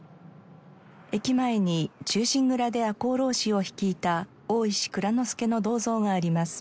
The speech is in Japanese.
駅前に『忠臣蔵』で赤穂浪士を率いた大石内蔵助の銅像があります。